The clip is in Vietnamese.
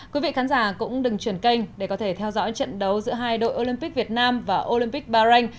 quý vị khán giả cũng đừng chuyển kênh để có thể theo dõi trận đấu giữa hai đội olympic việt nam và olympic bahrain